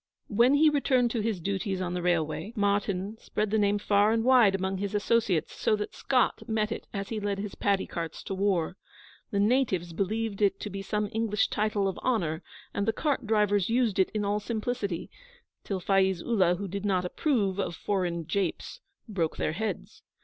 When he returned to his duties on the railway, Martyn spread the name far and wide among his associates, so that Scott met it as he led his paddy carts to war. The natives believed it to be some English title of honour, and the cart drivers used it in all simplicity till Faiz Ullah, who did not approve of foreign japes, broke their heads.